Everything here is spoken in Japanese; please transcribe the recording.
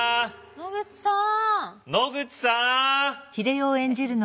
野口さん。